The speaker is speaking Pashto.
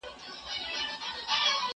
کار اسباب کوي، لافي استا ولي.